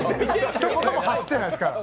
ひと言も発してないですから。